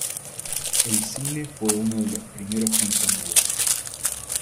El cine fue uno de los primeros con sonido.